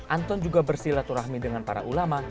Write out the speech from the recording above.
anton juga bersilaturahmi dengan para ulama